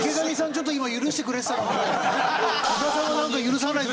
ちょっと今許してくれてたのに宇賀さんはなんか許さないぞ！